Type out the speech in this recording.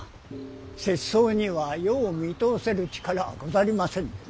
拙僧には世を見通せる力はござりませんのでな。